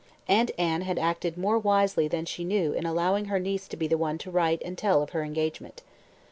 Aunt Anne had acted more wisely than she knew in allowing her niece to be the one to write and tell of her engagement.